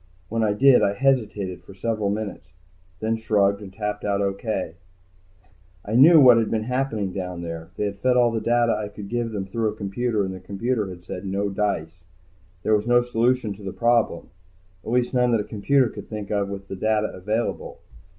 When I did I hesitated for several minutes. Then I shrugged and tapped out, O.K. I knew what had been happening down there. They had fed all the data I could give them through a computer, and the computer had said no dice. There was no solution to the problem, at least none that a computer could think of with the data available.